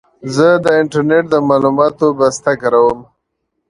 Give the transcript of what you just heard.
زه د انټرنېټ د معلوماتو بسته کاروم.